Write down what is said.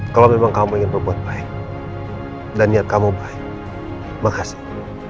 kalau memang kamu ingin berbuat baik dan niat kamu baik makasih